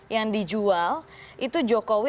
yang dijual itu jokowi